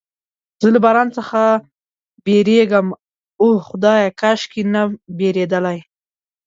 زه له باران څخه بیریږم، اوه خدایه، کاشکې نه بیریدلای.